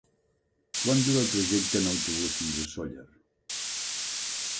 Quant dura el trajecte en autobús fins a Sóller?